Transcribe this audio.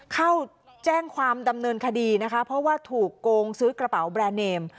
เข้าแจ้งความดำเนินคดีนะคะเพราะว่าถูกโกงซื้อกระเป๋าแบรนด์เนม